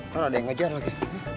kalau ada yang ngejar lagi